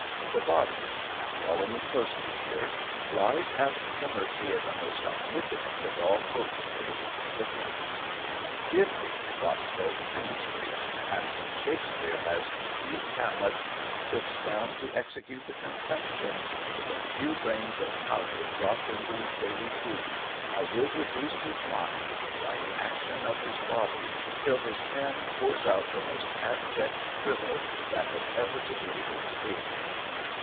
The body (follow me closely here) lies at the mercy of the most omnipotent of all potentates the chemist. Give me Fosco chemistry; and when Shakespeare has conceived Hamlet, and sits down to execute the conception with a few grains of powder dropped into his daily food, I will reduce his mind, by the action of his body, till his pen pours out the most abject drivel that has ever degraded paper.